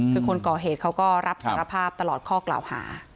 คือคนก่อเหตุเขาก็รับสารภาพตลอดข้อกล่าวหา